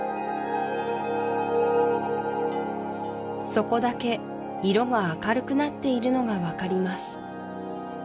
そこだけ色が明るくなっているのが分かります